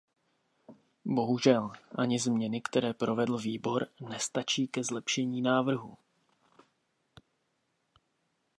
Bohužel ani změny, které provedl výbor, nestačí ke zlepšení návrhu.